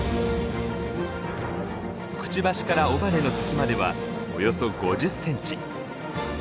くちばしから尾羽の先まではおよそ５０センチ。